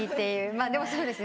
でもそうですね。